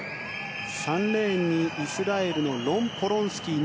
３レーンにイスラエルのロン・ポロンスキー。